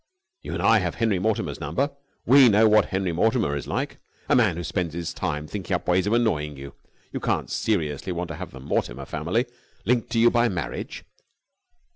You and I have Henry Mortimer's number. We know what Henry Mortimer is like! A man who spends his time thinking up ways of annoying you. You can't seriously want to have the Mortimer family linked to you by marriage."